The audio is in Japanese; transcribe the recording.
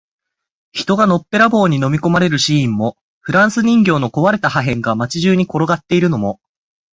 人がのっぺらぼうに飲み込まれるシーンも、フランス人形の壊れた破片が街中に転がっているのも、